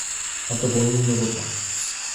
A to voní novota.